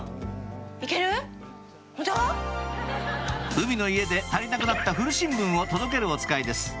海の家で足りなくなった古新聞を届けるおつかいです